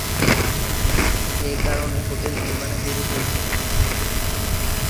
এ কারণে হোটেল নির্মাণে দেরি হয়েছিল।